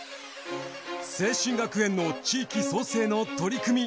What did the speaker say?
清真学園の地域創生の取り組み。